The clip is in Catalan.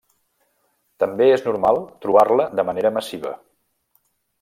També és normal trobar-la de manera massiva.